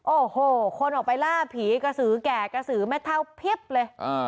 โอ้โหคนออกไปล่าผีกระสือแก่กระสือแม่เท่าเพียบเลย